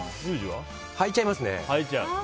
はいちゃいますね。